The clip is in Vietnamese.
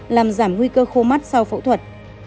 làm giảm nguy cơ khô mắt sau phẫu thuật